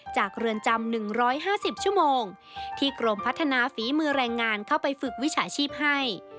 เรือนจำ๑๕๐ชั่วโมงที่กรมพัฒนาฝีมือแรงงานเข้าไปฝึกวิชาชีพให้